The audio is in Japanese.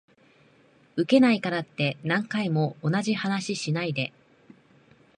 ウケないからって何回も同じ話しないで